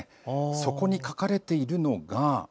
そこに書かれているのが。